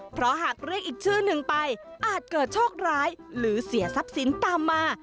เพราะหากเรียกอีกชื่อหนึ่งไปอาจเกิดโชคร้ายหรือเสียทรัพย์สินตามมา